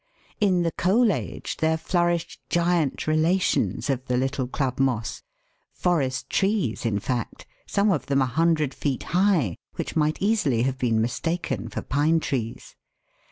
In the Coal Age there flourished giant relations of the little club moss, forest trees in fact, some of them a hundred feet high, which might easily have been mistaken for pine trees.